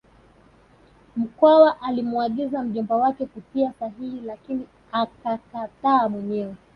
Mkwawa alimuagiza mjomba wake kutia sahihi lakini akakataa mwenyewe